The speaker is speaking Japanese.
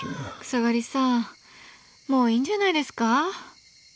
草刈さんもういいんじゃないですか？